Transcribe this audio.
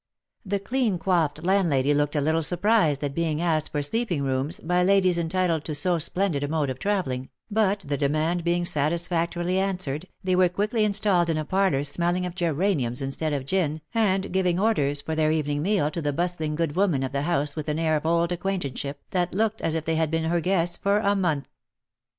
The clean coifed landlady looked a little surprised at being asked for sleeping rooms by ladies entitled to so splendid a mode of travelling, but the demand being satisfactorily answered, they were quickly in stalled in a parlour smelling of geraniums instead of gin, and giving orders for their evening meal to the bustling good woman of the house with an air of old acquaintanceship, that looked as if they had been her guests for a month.